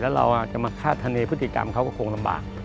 แล้วเราจะมาคาดคณีพฤติกรรมเขาก็คงลำบาก